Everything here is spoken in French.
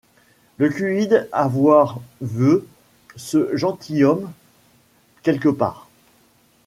Ie cuyde avoir veu ce gentilhomme quelque part.